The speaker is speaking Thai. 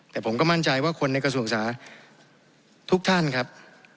แต่ผมก็มั่นใจว่าคนในกระทรวงศึกษาทุกท่านครับ